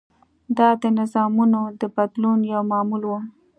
دا د نظامونو د بدلون یو معمول و.